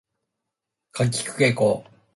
かきくけこ